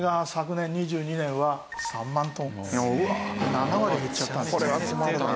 ７割減っちゃったんですね。